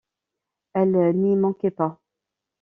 Elle n’y manquait pas.